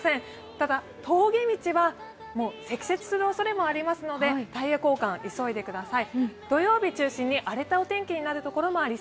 ただ、峠道は積雪するおそれもありますので、タイヤ交換急いでください。